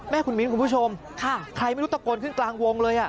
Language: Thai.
คุณมิ้นคุณผู้ชมใครไม่รู้ตะโกนขึ้นกลางวงเลย